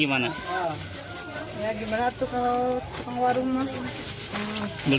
ibu keberatan ya bu